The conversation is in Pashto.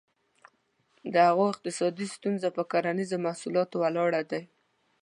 د هغو اقتصاد زیاتره په کرنیزه محصولاتو ولاړ دی.